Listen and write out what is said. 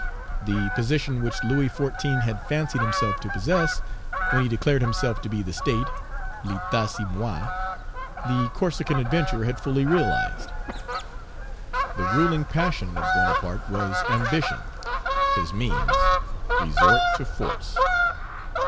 The position which Louis XIV. had fancied himself to possess, when he declared himself to be the state, "L'état, c'est moi," the Corsican adventurer had fully realized. The ruling passion of Bonaparte was ambition; his means, resort to force.